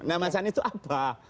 nah mas anies itu apa